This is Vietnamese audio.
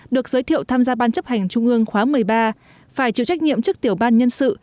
được giới thiệu tham gia ban chấp hành trung ương khóa một mươi ba phải chịu trách nhiệm trước tiểu ban nhân sự